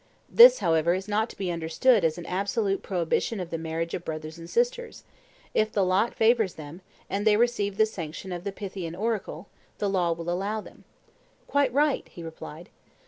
This, however, is not to be understood as an absolute prohibition of the marriage of brothers and sisters; if the lot favours them, and they receive the sanction of the Pythian oracle, the law will allow them. Quite right, he replied.